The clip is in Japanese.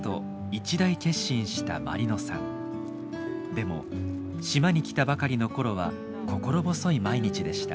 でも島に来たばかりの頃は心細い毎日でした。